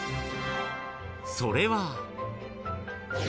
［それは］